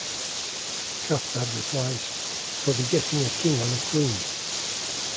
Cathbad replies, "for begetting a king on a queen".